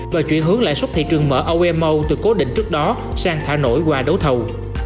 và chuyển hướng lãi suất thị trường mở omo từ cố định trước đó sang thả nổi qua đấu thầu